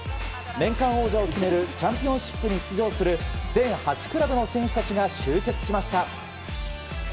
年間王者を決めるチャンピオンシップに出場する全８クラブの選手たちが集結しました。